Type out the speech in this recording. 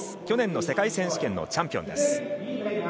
去年の世界選手権のチャンピオンです。